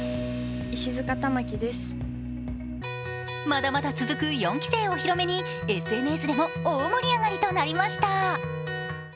まだまだ続く４期生お披露目にＳＮＳでも大盛り上がりとなりました